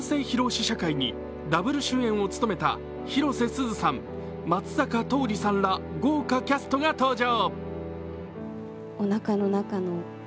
試写会にダブル主演を務めた広瀬すずさん、松坂桃李さんら豪華キャストが登場。